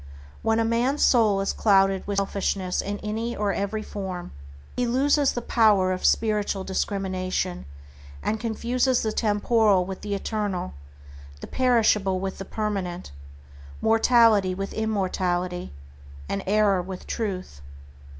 When a man's soul is clouded with selfishness in any or every form, he loses the power of spiritual discrimination, and confuses the temporal with the eternal, the perishable with the permanent, mortality with immortality, and error with Truth.